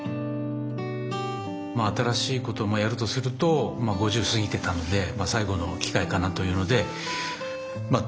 新しいこともやるとするとまあ５０過ぎてたので最後の機会かなというのでまあ